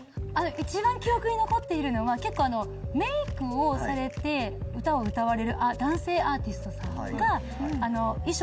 一番記憶に残っているのは結構メイクをされて歌を歌われる男性アーティストさんが衣装